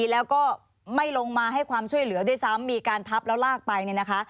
แล้วก็ไม่ลงมาให้ความช่วยเหลือด้วยซ้ำมีการทับแล้วลากไปเนี่ยนะคะ